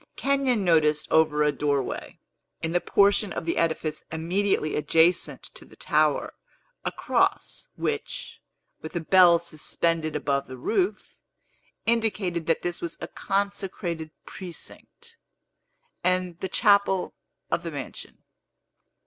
Kenyon noticed over a doorway, in the portion of the edifice immediately adjacent to the tower, a cross, which, with a bell suspended above the roof, indicated that this was a consecrated precinct, and the chapel of the mansion.